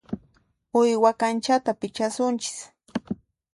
Uywa kanchata pichasunchis.